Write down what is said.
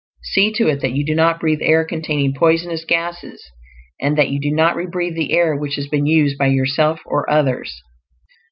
See to it that you do not breathe air containing poisonous gases, and that you do not rebreathe the air which has been used by yourself or others.